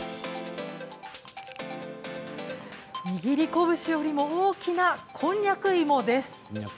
握り拳よりも大きなこんにゃく芋です。